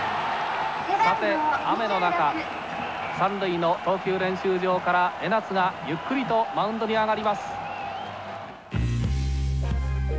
さて雨の中三塁の投球練習場から江夏がゆっくりとマウンドに上がります。